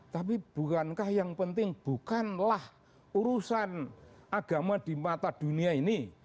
tapi bukankah yang penting bukanlah urusan agama di mata dunia ini